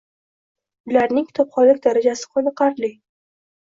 Ularning kitobxonlik darajasi qoniqarli.